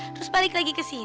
terus balik lagi ke sini